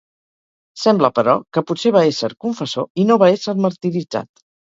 Sembla, però, que potser va ésser confessor i no va ésser martiritzat.